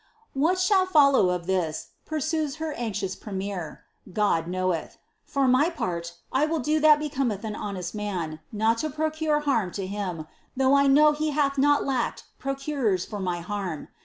■What shall follow of this," pursues hor anxious premier, " Go<l knoweih. F.'T mf part, I will do tliat becometh an honest man, not to prix^ure hnrm to him, '^• ii^sh I know he hath not lacked procurers fur my liarm.